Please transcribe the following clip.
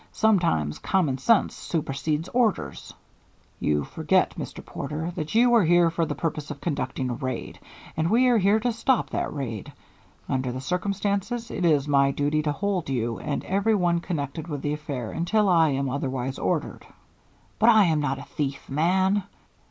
Sometimes common sense supersedes orders." "You forget, Mr. Porter, that you are here for the purpose of conducting a raid, and we are here to stop that raid. Under the circumstances it is my duty to hold you and every one connected with the affair until I am otherwise ordered." "But I am not a thief, man."